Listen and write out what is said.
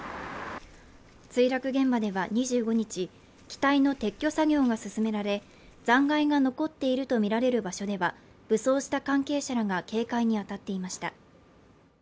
墜落現場では２５日機体の撤去作業が進められ残骸が残っているとみられる場所では武装した関係者らが警戒に当たっていました